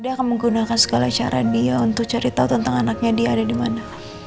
dia akan menggunakan segala cara dia untuk cari tau tentang anaknya dia ada dimana